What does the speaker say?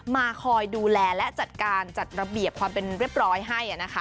คอยดูแลและจัดการจัดระเบียบความเป็นเรียบร้อยให้